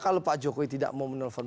kalau pak jokowi tidak mau menelpon